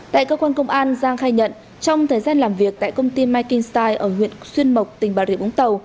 tại cơ quan công an giang khai nhận trong thời gian làm việc tại công ty making style ở huyện xuyên mộc tỉnh bà rịa vũng tàu